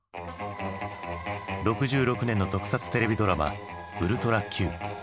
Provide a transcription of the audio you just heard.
６６年の特撮テレビドラマ「ウルトラＱ」。